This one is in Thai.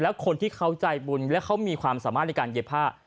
แล้วคนที่เขาใจบุญและเขามีความสามารถในการเย็บผ้า